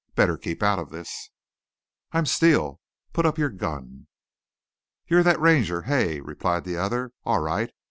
"Better keep out of this." "I'm Steele. Put up your gun." "You're thet Ranger, hey?" replied the other. "All right!